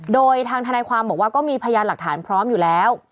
โดยทางทนายความบอกว่าก็มีพยานหลักฐานพร้อมอยู่แล้ว